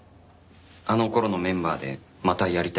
あの頃のメンバーでまたやりたいとか。